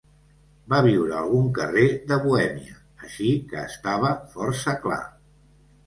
Va viure a algun carrer de Bohèmia, així que estava força clar.